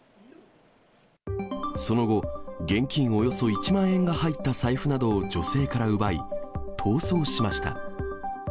その後、現金およそ１万円が入った財布などを女性から奪い、逃走しました。